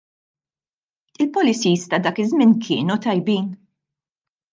Il-policies ta' dak iż-żmien kienu tajbin?